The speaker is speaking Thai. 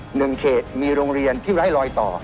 หนึ่งเขตมีโรงเรียนที่ไร้ลอยต่อ